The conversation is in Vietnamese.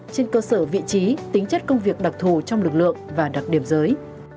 trên cơ sở vị trí tính chất công việc đặc thù trong lực lượng và đặc điểm giới